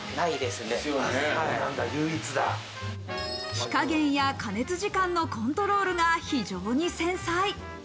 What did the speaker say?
火加減や加熱時間のコントロールが非常に繊細。